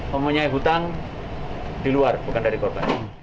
mempunyai hutang di luar bukan dari korban